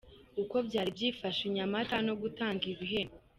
Uko byari byifashe i Nyamata no gutanga ibihembo.